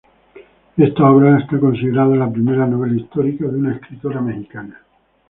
Esta obra es considerada la primera novela histórica de una escritora mexicana.